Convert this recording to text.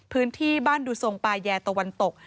พื้นที่บ้านดูทรงปาแยตะวันตก